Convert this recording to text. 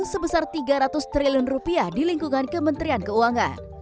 sebesar tiga ratus triliun rupiah di lingkungan kementerian keuangan